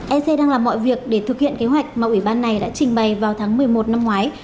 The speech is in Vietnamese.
ec đang làm mọi việc để thực hiện kế hoạch mà ủy ban này đã trình bày vào tháng một mươi một năm ngoái